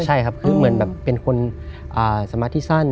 ใช่ครับคือเหมือนแบบเป็นคนสมาธิสั้น